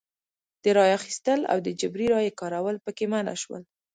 د رایو اخیستل او د جبري رایې کارول پکې منع شول.